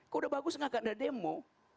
kok udah bagus enggak kan ada demo